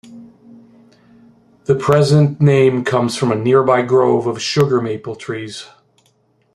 The present name comes from a nearby grove of sugar maple trees.